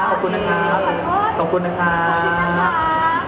ขอบคุณนะครับ